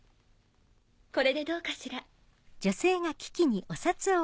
これでどうかしら。